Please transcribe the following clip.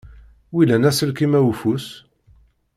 Wilan aselkim-a ufus?